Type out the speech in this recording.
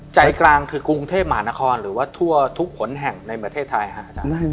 ใจกลางคือกรุงเทพหมานครหรือว่าทั่วทุกผลแห่งในประเทศไทยครับอาจารย์